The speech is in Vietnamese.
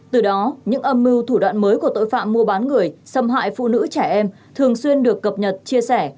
từ đó những âm mưu thủ đoạn mới của tội phạm mua bán người xâm hại phụ nữ trẻ em thường xuyên được cập nhật chia sẻ